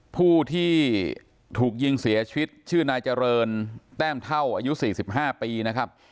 ผู้ที่ถูกยิงเสียชีวิตชื่อนายเจริญแต้มเท่าอายุ๔๕ปีนะครับ